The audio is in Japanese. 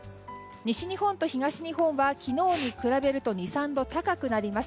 西日本と東日本は昨日に比べると２３度高くなります。